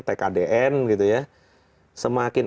tkdn gitu ya semakin